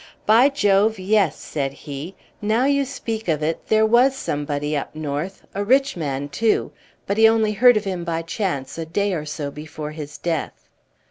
"By Jove, yes!" said he. "Now you speak of it, there was somebody up north a rich man, too but he only heard of him by chance a day or so before his death."